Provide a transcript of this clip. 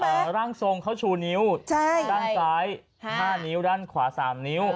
เอ่อเอ่อร่างทรงเขาชูนิ้วใช่ด้านซ้ายห้านิ้วด้านขวาสามนิ้ว